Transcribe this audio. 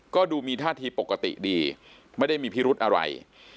ก็ดูมีท่าทีปกติดีไม่ได้มีพิรุธอะไร